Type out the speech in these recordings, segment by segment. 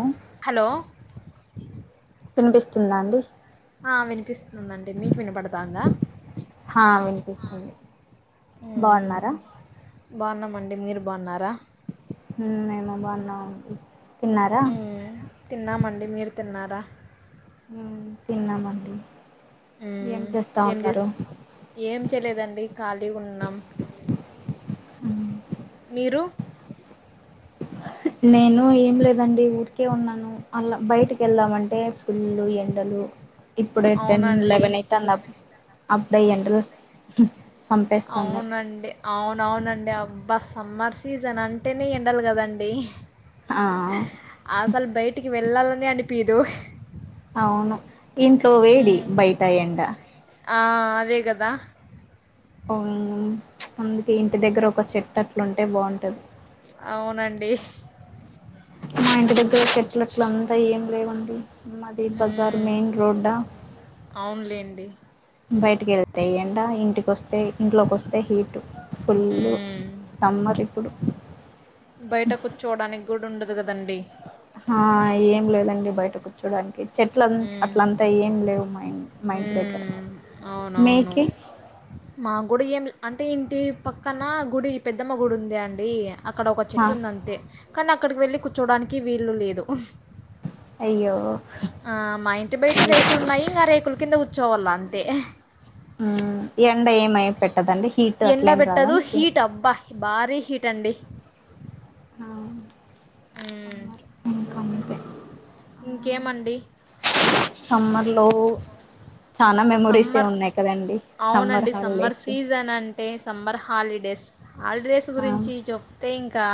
Hello hello పినిపిస్తుందా అండి ఆ వినిపిస్తుందండి మీకు వినపడతాందా హా వినిపిస్తుంది హ్మ్మ్ బాగున్నారా బాగున్నామండి మీరు బాగున్నారా హ్మ్మ్ నేను బాగున్నా ఆంటీ హ్మ్మ్ తిన్నామండి మీరు తిన్నారా హ్మ్మ్ తిన్నామండి ఏం చేస్తా ఏ చే ఉన్నారు ఏం చేయలేదండి ఖాళీ ఉన్నాం హ్మ్మ్ మీరు [inaudible] నేను ఏం లేదండి ఊరికే ఉన్నాను అలా బయటకి వెళ్దామంటే పుల్లు ఎండలు ఇప్పుడు టెన్ అవునండి లెవెన్ అయిత్ అ అప్పుడ అయ్యంట అవునండి అవునవునండి ఆ బస్ సమ్మర్ సీజన్ అంటేనే ఎండలు కదండి ఆ అసలు బయటికి వెళ్ళాలని అనిపిదు అవును ఇంట్లో వేడి మ్మ్. బయట ఎండ ఆ అదే కదా అ అందుకే ఇంటి దగ్గర ఒక చెట్టు అట్లుంటే బాగుంటది అవునండి మా ఇంటి దగ్గర చెట్ల అట్ల అంతా ఏం లేవండి మాది బజార్ మ్మ్. మెయిన్ రోడ్డ అవునులేండి. బయటికి వెళ్తే ఎండ ఇంటికి వస్తే ఇంట్లోకి వస్తే హీటు ఫుల్ హ్మ్. సమ్మర్ ఇప్పుడు బయట కూర్చోడానికి గూడ ఉండదు కదండి ఆ ఏం లేదండి బయట కూర్చోడానికి చెట్ల హ్మ్. అట్లంతా ఏం లేవు మా మా ఇంటి దగ్గర హ్మ్. మీకి మా గుడి ఏం అంటే ఇంటి పక్కన గుడి పెద్దమ్మ గుడి ఉంద అండి అక్కడ ఒక ఆ చెట్టు ఉందంతే కానీ అక్కడికి వెళ్ళి కూర్చోడానికి వీళ్లు లేదు అయ్యో ఆ మా ఇంటి బయట రేకులు ఉన్నాయి ఇంకా రేకుల కింద కూర్చోవళ్ళ అంతే మ్ ఎండ ఏమై పెట్టదండి హీట్ అట్లేం రాదా ఎండబెట్టదు మీకి హీట్ అబ్బా భారీ హీట్ అండి ఆ హ్మ్మ్ సమ్మర్ ఇంకా అంతే ఇంకేమండి సమ్మర్లో చాలా మెమొరీసే సమ్మర్ ఉన్నాయి కదండి అవునండి సమ్మర్ హాలిడేస్ సీజన్ అంటే సమ్మర్ హాలిడే డ్రెస్ ఆళ్ డ్రెస్ ఆ గురించి చెప్తే ఇంకా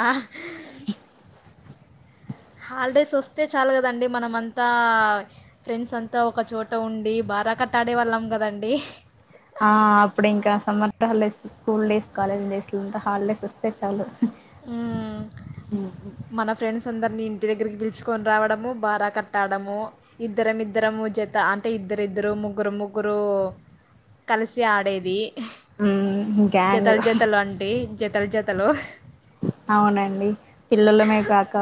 హాలిడేస్ వస్తే చాలు కదండి మనమ అంతా ఫ్రెండ్స్ అంతా ఒక చోట ఉండి బ్వారా కట్టాడే వాళ్ళం కదండి ఆ అప్పుడు ఇంకా summer holidays school days college days లంతా హాలిడేస్ వస్తే చాలు మన ఫ్రెండ్స్ అందరినీ ఇ ఇంటి దగ్గరికి పిలుచుకొని రావడము బారా కట్టాడము ఇద్దరం ఇద్దరము జత అంటే ఇద్దరిద్దరు ముగ్గురు ముగ్గురు కలిసి ఆడేది మ్మ్ గ్యాంగ్ జతల జతలు అంటే జతలు జతలు అవునండి పిల్లలమే కాక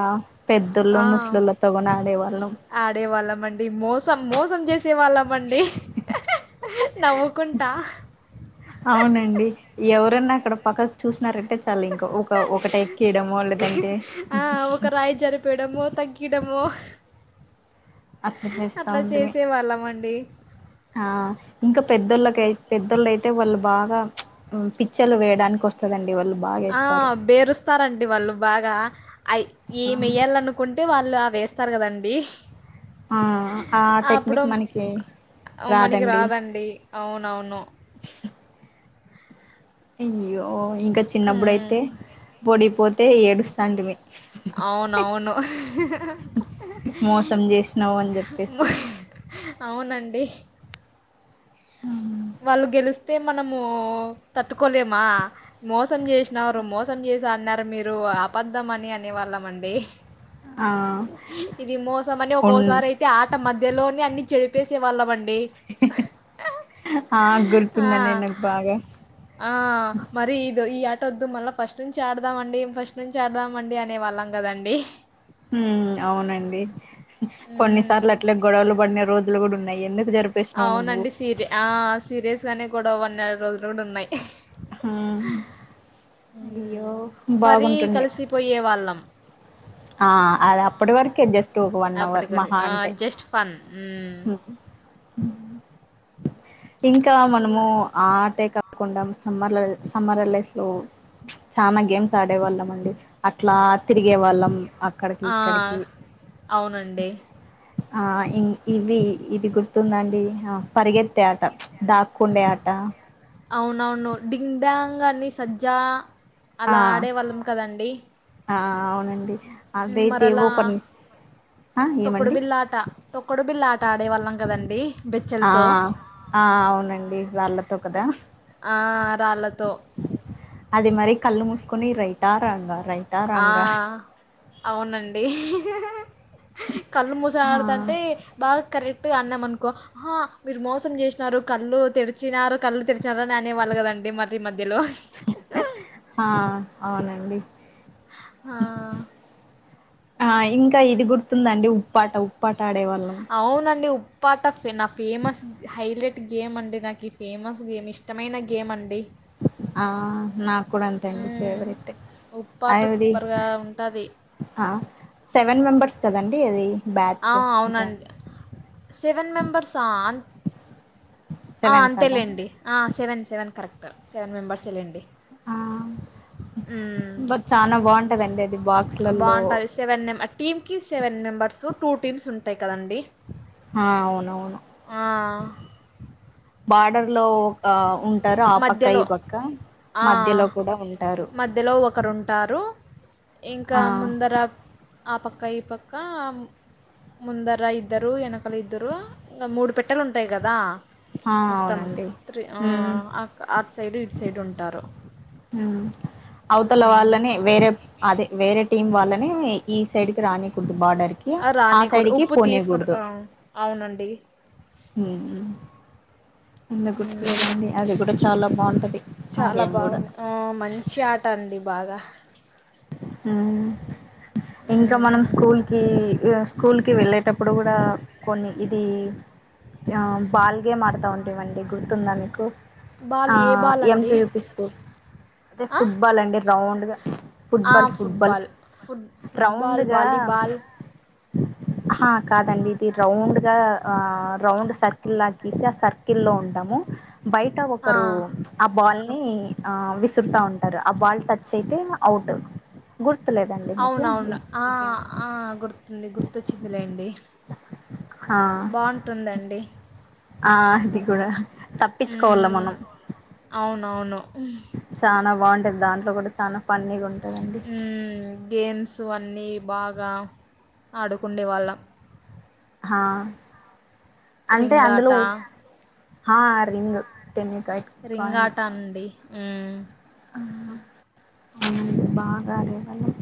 పెద్దళ్ళు ఆ, ముసలుళ్ళతోగని ఆడేవాళ్ళం మండి మోసం మోసం చేసి ఇచ్చే వాళ్ళమండి. నవ్వుకుంటా ఎక్కడన్నా అక్కడ పక్కకు చూసినారంటే చాలింక ఒక ఒకటేక్కిడము లేదంటే ఆ, ఒక రాయి జరిపేయడమో తగ్గియడమో అట్లా చేస్తా అట్లా ఉంటిమి చేసే వాళ్ళమండి. ఆ ఇంకా పెద్దోళ్ళకై పెద్దోళ్ళయితే వాళ్ళు బాగా మ్ పిక్చ్చర్లు వేయడానికి వస్తదం ఆ బేరుస్తారండి వాళ్ళు బాగా అయ్ ఏమేయ్యలనుకుంటే వాళ్ ళ్లు అవేస్తారుకదండి. ఆ ఆ అప్పుడు టెక్నిక్ మనకి అవ్ మనకి రాదండి అవునవును. అయ్యో ఇంకా మ్మ్. చిన్నప్పుడుయితే బడికిపోతే ఏడుస్తాంటిమి. అవునవును. మోసం చేసినావు అని చెప్పేసి అవునండి. ఆ వాళ్ళు గెలిస్తే మనము తట్టుకోలేమా మోసం చేసినారు మోసం చే సి అడ్నారు మీరు అపద్ధమని అనే వాళ్ళమండి. ఆ ఇది మోసమని ఉన్ ఒకోసారయితే ఆట మధ్య ధ్యలోనే అన్ని చెడిపేసేవాళ్ళమండి. ఆ ఆ గుర్తుందండి నాకు బాగా ఆ మరి ఇద్ ఈ ఆటోద్దు మళ్ళ ఫస్ట్ నుంచి ఆడదామండి ఫస్ట్ నుంచి ఆడదామండి అనే వాళ్ళం కదండి. హ్మ్ అవునండి. మ్మ్. కొన్నిసార్లు అట్లే గొడవలు పడిన రోజులు కూడా ఉన్నాయి. ఎందు అవునండి. సీరియ ఆ సీరియస్ గానే గొడవ పడిన రోజులు కూడా ఉన్నాయ్. హ్మ్ అయ్యో హ్మ్ మరీ బాగుంటుండే కలిసిపోయే వాళ్ళం. ఆ అదప్పుటి వర్కే జస్ టు ఒక వన్ అవర్ అప్పటికి వరకు మహా ఆ అంటే జస్ట్ ఫన్ మ్మ్. ఇంకా మనము ఇలా ఆటే కా కుండం సమ్మర్లో సమ్మర్ హాలిడేస్లో చానా గేమ్స్ ఆడే వాళ్ళమండి అట్లా ఆ తిరిగే వాళ్ళం అక్కడికి ఆ ఇక్కడికి అవునండి ఆ ఇ ఇవి ఇది గుర్తుందాండి ఆ పరిగెత్తే ఆట దాక్కుండే ఆట అవునవును డింగ్ డాంగని సజ్జా ఆ అలా ఆడేవాళ్ళం కదండి. ఆ అవునండి. అదైతే మరలా ఏవో కొన్ని ఆ తొక్కుడు ఏమండి బిల్లాట తొక్కుడు బిల్లా ఆట ఆడేవాళ్ళం కదండి. ఆ బెచ్చలతో ఆ అవునండి రాళ్ళతో కదా రాళ్ళతో అది మరి కళ్ళు మూసుకొని రైటా రాంగ ఆ అవునండి. కళ్ళు మూసి ఆ ఆడుతాంటే బాగా కరెక్ ట్టు అన్నామనుకో ఆహా! మీరు మోసం చేసినారు. కళ్ళు తెరిచినారు. కళ్ళు తెరిచినారని అనే వాళ్ళు కదండి మరి మధ్యలో ఆ అవునండి. హా ఆ ఇంకా ఇది గుర్తుందండి ఉప్పాట ఉప్పా అవునండి ఉప్పాట నా ఫేమస్ హైలే ట్ గేమ్ అండి. నాకీ ఫేమస్ గేమ్ ఇష్టమైన గేమ్ అండి. ఆ నాక్ కూడా అంతే అండి హ్మ్. ఫేవరెట్. ఉప్పాట అవ్ది సూపర్‌గా ఉంటది. ఆ సెవెన్ మెంబర్స్ కదండి. అది ఆ బ్యాచ్ గ్యాంగ్ అవునండి. సెవెన్ మెంబర్సా అం సెవెన్ కదా అంతేలేండి. ఆ సెవెన్ సెవెన్ కరెక్ట్ సెవెన్ మెంబర్సే లేండి. ఆ బట్ చాలా బాగుంటదండి అది ఉ బాక్స్లలో బాగుంటుంది సెవెన్ మెంబర్ టీమ్కి సెవెన్ మెంబర్స్ టూ టీమ్స్ ఉంటాయి కదండడి ఆ అవునవును ఆ బార్డర్ లో ఒక ఉన్ ఉంటారు ఆ పక్క మధ్యలో ఈ పక్క ఆ! మధ్యలో కూడా ఉంటారు మధ్యలో ఒకరుంటారు. ఇంకా ఆ ముందర ఆ పక్క ఈ పక్క ముందర ఇద్దరు ఏనకలు ఇద్దరు ఇంగ మూడు పెట్టెలు ఉంటాయి కదా ఆ మొత్తం అవునండి త్రి ఉమ్ ఆ అక్- అటు సైడ్ ఇటు సైడ్ ఉంటారు అవతల హ్మ్. వాళ్ళనే వేరే అదే వేరే టీం వాళ్ళని ఈ సైడ్ కి రానికూడదు బార్డర్ కి ఆ రానికూడదు సైడ్కి ఉప్పు తీసుకో పోనేకూడదు ఆ, అవునండి ఉ ఇందు గుర్తు మ్మ్. వెండి అవి కూడా చాలా బాగుంటది ఆ చాలా గేమ్ కూడా బాగుంది మంచి ఆట అండి బాగా ఉ ఇంకా మనం మ్మ్. స్కూల్ కి య స్కూల్కి వెళ్ళేటప్పుడు కూడా కొన్ని ఇది ఆ బాల్ గేమ్ ఆడతా ఉంటేవండి గుర్తుందా మీకు బాల్ ఆ ఏ బాల్ అండి ఎంపిియయుపి స్కూల్ అదే ఆ? ఫుట్బాల్ అండి రౌండ్గా ఆ, ఫుట్బాల్ ఫుట్బాల్ ఫుట్ ఫుట్బాల్ ర్రౌండ్గా వాలీబాల్ ఆహా కాదండి ఇది రౌండ్ గా ఆ రౌండ్ సర్కిల్ లా గీసి ఆ సర్కిల్ లో ఉంటాము బయట ఆ, ఒకరు ఆ బాల్ ని ఆ విసురూత ఉంటారు ఆ బాల్ టచ్ అయితే ఇంగా అఔట్ గుడ్ అవునవును ఆ ఆ గుర్తుంది గుర్తొచ్చిందిలేండి ఆ బాగుంటుందండి ఆ ఇది కూడా తప్పించుకోవాల మ్మ్. మనం అవునవును చానా బాగుంటది దాంట్లో కూడా చాల ఫన్నీగా ఉంటంది గున్న ఉ గేమ్స్ అన్నీ బాగా ఆడుకుండే వాళ్ళం హా రింగ్ ఆట హా రింగ్ టెన్నికైట్ కాయిన్ ఉ ఉ అవునడి బాగా ఆడేవాళ్ళం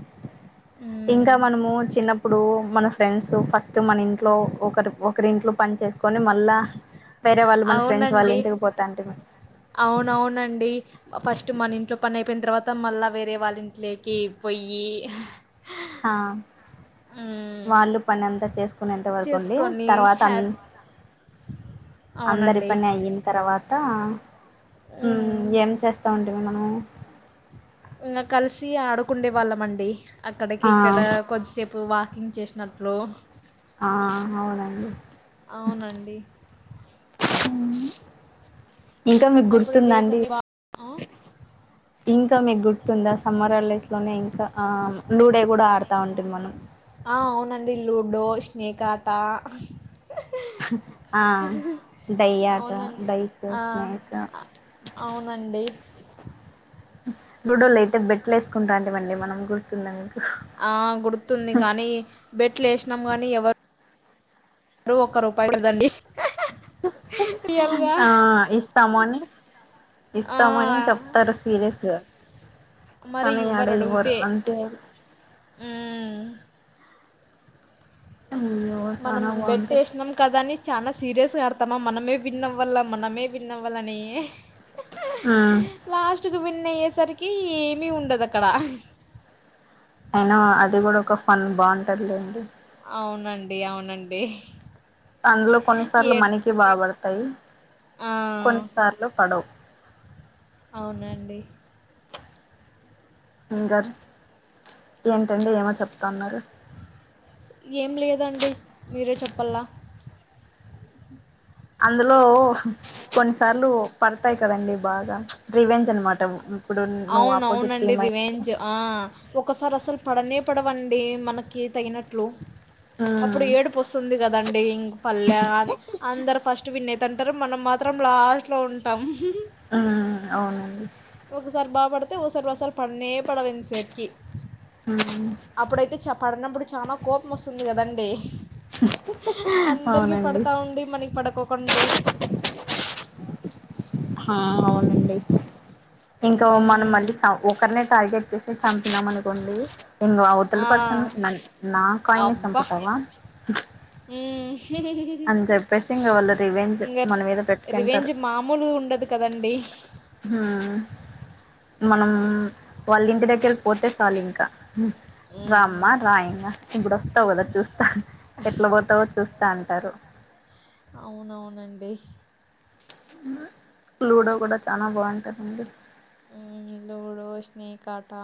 ఇంకా మ్మ్. మనము చిన్న అప్ ప్పుడు మన ఫ్రెండ్స్ ఫస్ట్ మన ఇంట్లో ఒకరి ఒకరింట్లో పని చేసుకొని మళ్ళా వేరే వాళ్ళు మన ఫ్రెండ్స్ వాళ్ళు అవునండి ఇంటికి పోతాంటిమి అవునవునండి ఫస్ట్ మన ఇంట్లో పని అయిపోయిన తర్వాత మళ్ళా వేరే వాళ్ళ ఇంట్లోకి పోయి హా మ్మ్. వాళ్ళు పని అంతా చేసుకునేంతవరకుండి చేసుకొని తర్వాత అన్ హ్యాపీ అందరి అవునండి పని అయిన తర్వా త ఉ మ్మ్. ఏం చేస్తా ఉంటివి మనము ఇకా కలిసి ఆడుకుండే వాళ్ళంమండి అక్కడికి ఆ ఇక్కడ కొద్దిసేపు వా కింగ్ చేసినట్లు ఆ అవునండి అవునండి ఇంకా మీకు చిన్నప్పుడు డేస్ గుర్తుందండి అన్నీ బా ఆ? ఇంకా తో మీకు గుర్తుందా సమ్మర్ హడేస్ లోనే ఇంకా లూడే కూడా ఆడుతా ఉంటిమి మనం ఆ అవునండి లూడో స్నేక్ ఆట ఆ డయయాట అవునండి డైస్ ఆ స్నేక్ ఆ, అవునండి లూడోలు అయితే బెట్ లు వేసుకుంటాంటిమి అండి మనం గుర్తుందా మీకు ఆ గుర్తుంది కానీ బెట్లు వేసినాం కానీ ఎవరు రు ఒక్క రూపాయి కదండి ఆ ఇస్తాము అని ఆ ఇస్తామని చెప్తారు సీరియస్గా మరి కనీ అడ ఇవ్వరు అడిగితే అంటే మ్మ్ అయ్యో మనం చానా బెట్ బాగుంటది వేసినాం కదాని చాలా సీరియస్ ఆడతామా మనమే విన్నవ్వల్ల మనమే విన్నవల్లని ఉమ్ లాస్ట్కు విన్ విన్ అయ్యేసరికి ఏమి ఉండదు అక్కడ అయినా అది కూడా ఒక ఫన్ బాగుంటదిలేండి అవునండి అవునండి అందులో కొన్నిసార్లు ఏ మనకి బాపడతాయి ఆ, కొన్నిసార్లు పడవు అవునండి ఇంకా ఏంటండి ఏమో చెప్తాన్నారు ఏం లేదండి మీరే చెప్పలా అందులో కొన్నిసార్లు పడతాయి కదండి బాగా రివెంజ్ అనమాట ఇప్పుడు నువ్వు అవును ఆపోజిట్ అవునండి టీమ్ అయి రివేంజ్ ఆ ఒకసారి అసలు పడనే పడవండి మనకి తగినట్లు అప్పుడు ఉమ్ ఏడుపు వస్తుంది కదండ ఇంక పల్లె అందరు ఫస్ట్ విన్ తంటారు మనం మాత్రం లాస్ట్లో ఉంటాం ఉ అవును ఒకసారి బాపడితే ఒకసారి ఒకసారి పనే పడవు ఎంతసేపటికీ అప్పుడైతే చ పడినప్పుడు చాలా కోపం వస్తుంది కదండ అందరికి అవునండి పడతా ఉండి మనకి పడుకోకండి హ అవును ఇంకా మనం మ్మ్. మళ్ళీ చ ఒకరినే టార్గెట్ చేసి చం మనుకోండి ఇం ఆ అవతల పర్సన్ నా కాయి ని అబ్బా చంపుతావా హ్మ్. అని చెప్పేసి ఇంకా వాళ్ళు రివేంజ్ ఇంగ మన మీద పెట్టుకుంటారు రివెంజ్ మామూలుగా ఉండదు కదండి హుమ్ మనం వాళ్ళ ఇంటి దగ్గర పోతే చాలు ఇంకా హ్మ్. రామ్మ రా ఇంగ ఇప్పుడు వస్తావు కదా చూస్తా ఎట్లా పోతావో చూస్తాను అంటారు అవునవునండి లూడో కూడా చాలా బాగుంటాదండి హ్మ్మ్ లూడో స్నేకాటా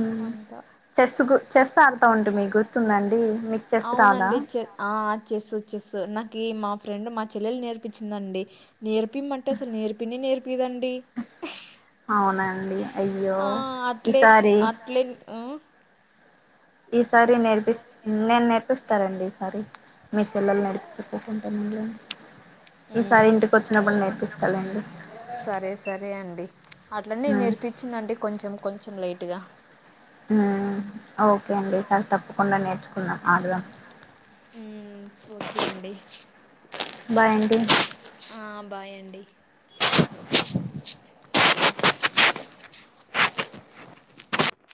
హ్మ్ అంత చెస్ గు చెస్ కూ ఆడుతా చెస్ ఉంటి మీకు ఆడతా వుంటి గుర్తుందండి మీకు చెస్ రాదా అవునండి చె ఆ చెస్ చెస్ నాకు కి మా ఫ్రెండ్ మా చెల్లలు నేర్పించిందండి నేర్పిమం టే అసలు నేర్పినే నేర్ ఇదండీ అవునండి అయ్యో ఆ అట్లే ఈసారి అట్లే ఉ ఈసారి నేర్పి నేను నేర్పిస్తారండి ఈసారి మీ చెల్లలుని నడిపించకోకుంటానండి ఈసారి హ్మ్. ఇంటికి వచ్చినప్పుడు నేర్పిస్తారు సరే సరే అండి అట్లనే ఉమ్ నేర్పించిందిండి కొంచెం కొంచెం లైట్ టు గా హ్మ్మ్ ఓకే అండి సారి తప్పకుండా నేర్చుకుందాం ఆడుదాం హుమ్ ఓకే అండి బాయ్ అండి బాయండి [inaudible]